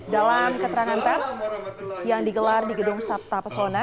dalam keterangan pers yang digelar di gedung sabta pesona